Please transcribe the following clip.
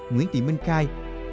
nguyễn thị minh khai